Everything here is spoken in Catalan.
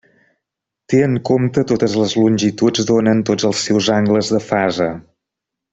Té en compte totes les longituds d'ona en tots els seus angles de fase.